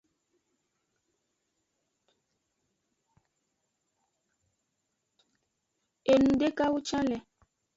Enudekawo can le.